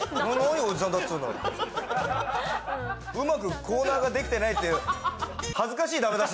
うまくコーナーができてないって。